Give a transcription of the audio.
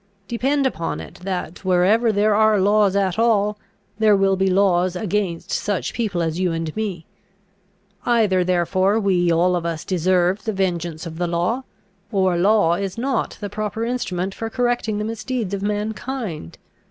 Depend upon it that, wherever there are laws at all, there will be laws against such people as you and me. Either therefore we all of us deserve the vengeance of the law, or law is not the proper instrument for correcting the misdeeds of mankind.